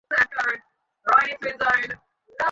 রুটি ছোঁড়া বন্ধ করবে প্লিজ?